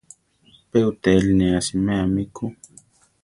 Pe uʼtéli ne asiméa mi ku.